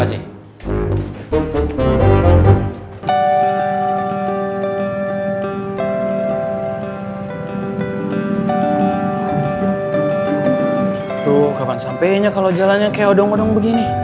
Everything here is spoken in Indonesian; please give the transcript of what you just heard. tuh kapan sampainya kalau jalannya kayak odong odong begini